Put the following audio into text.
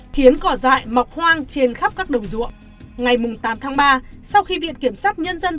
khiến cỏ dại mọc hoang trên khắp các đồng ruộng ngày tám tháng ba sau khi viện kiểm sát nhân dân